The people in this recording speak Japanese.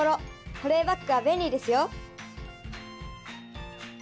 保冷バッグは便利ですよ。